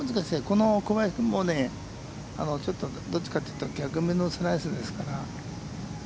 この高麗グリーンもね、ちょっとどっちかというと逆目のスライスですから。